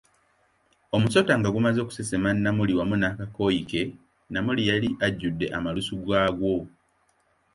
Omusota nga gumaze okusesema Namuli wamu nakakooyi ke, Namuli yali ajjudde amalusu g'aggwo.